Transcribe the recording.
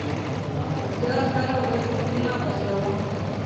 زه هره ورځ ټوکرونه بدلوم.